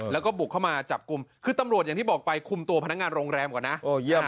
แล้วก็บุกเข้ามาจับกลุ่มคือตำรวจอย่างที่บอกไปคุมตัวพนักงานโรงแรมก่อนนะ